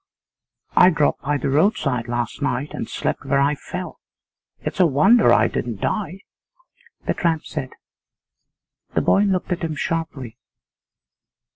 'I dropped by the roadside last night and slept where I fell. It's a wonder I didn't die,' the tramp said. The boy looked at him sharply.